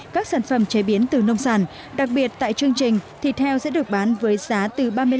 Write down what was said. các sản phẩm chế biến từ nông sản đặc biệt tại chương trình thịt heo sẽ được bán với giá từ ba mươi